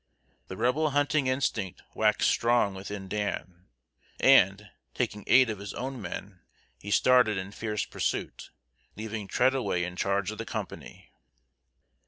The Rebel hunting instinct waxed strong within Dan, and, taking eight of his own men, he started in fierce pursuit, leaving Treadaway in charge of the company.